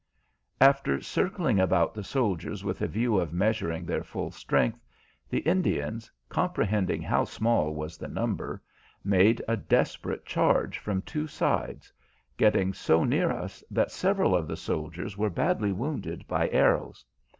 After circling about the soldiers with a view of measuring their full strength, the Indians, comprehending how small was the number, made a desperate charge from two sides, getting so near us that several of the soldiers were badly wounded by arrows.